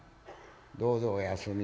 どうぞお休み」。